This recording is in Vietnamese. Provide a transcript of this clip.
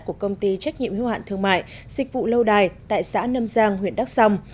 của công ty trách nhiệm hưu hạn thương mại dịch vụ lâu đài tại xã nâm giang huyện đắk song